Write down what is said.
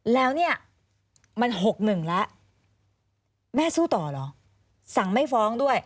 แล้วเนี่ยมัน๖๑แล้วแม่สู้ต่อเหรอสั่งไม่ฟ้องด้วย